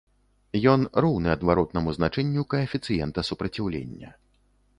Ён роўны адваротнаму значэнню каэфіцыента супраціўлення.